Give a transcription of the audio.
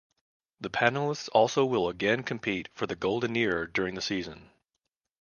The panelists also will again compete for the Golden Ear during the season.